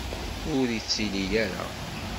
Ur itelli ara.